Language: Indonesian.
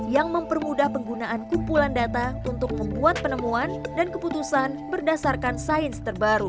yang mempermudah penggunaan kumpulan data untuk membuat penemuan dan keputusan berdasarkan sains terbaru